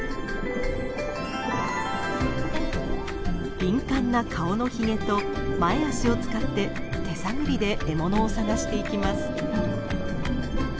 敏感な顔のひげと前足を使って手探りで獲物を探していきます。